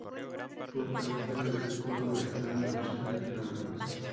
Por carretera desde Córdoba está a ochenta kilómetros.